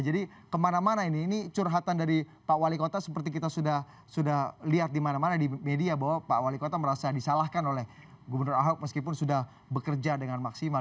jadi kemana mana ini ini curhatan dari pak wali kota seperti kita sudah lihat di mana mana di media bahwa pak wali kota merasa disalahkan oleh gubernur ahok meskipun sudah bekerja dengan maksimal